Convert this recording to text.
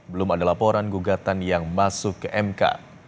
belum ada laporan gugatan yang masuk ke mk